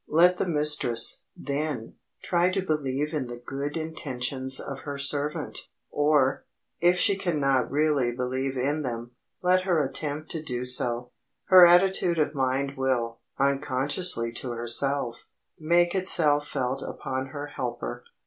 Let the mistress, then, try to believe in the good intentions of her servant, or, if she can not really believe in them, let her attempt to do so. Her attitude of mind will, unconsciously to herself, make itself felt upon her helper.